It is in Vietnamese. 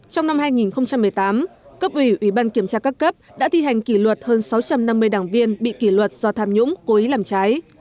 trong năm hai nghìn một mươi tám cấp ủy ủy ban kiểm tra các cấp đã thi hành kỷ luật hơn sáu trăm năm mươi đảng viên bị kỷ luật do tham nhũng cố ý làm trái